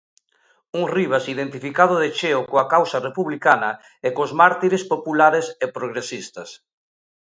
Un Ribas identificado de cheo coa causa republicana e cos mártires populares e progresistas.